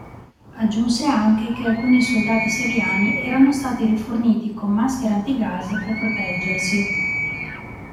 Aggiunse anche che alcuni soldati siriani erano stati riforniti con maschere antigas per proteggersi.